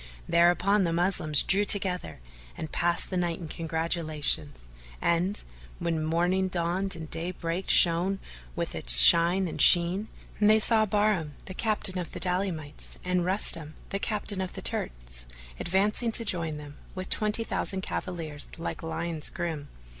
Thereupon the Moslems drew together and passed the night in congratulations, and, when morning dawned and daybreak shone with its shine and sheen, they saw Bahram, the captain of the Daylamites, and Rustam, the captain of the Turks, advancing to join them, with twenty thousand cavaliers like lions grim.